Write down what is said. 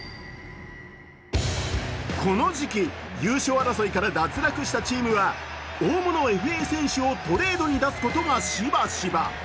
この時期、優勝争いから脱落したチームは大物ＦＡ選手をトレードに出すことがしばしば。